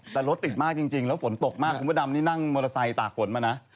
แต่รถติดมากจริงแล้วฝนตกมากคุณพระดำนี่นั่งมอเตอร์ไซค์ตากฝนมานะ